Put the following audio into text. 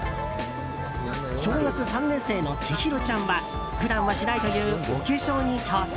小学３年生の知る紘ちゃんは普段はしないというお化粧に挑戦。